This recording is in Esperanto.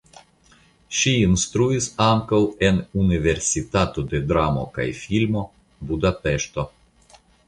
Ŝi instruis ankaŭ en Universitato de Dramo kaj Filmo (Budapeŝto).